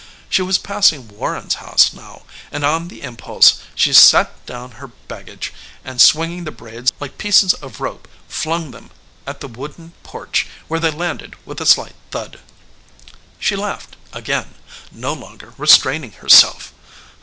She was passing Warren's house now, and on the impulse she set down her baggage, and swinging the braids like piece of rope flung them at the wooden porch, where they landed with a slight thud. She laughed again, no longer restraining herself.